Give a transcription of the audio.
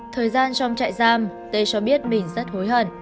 thời gian trong trại giam tôi cho biết mình rất hối hận